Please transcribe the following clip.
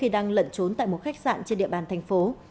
đang lẩn trốn tại một khách sạn trên địa bàn thành phố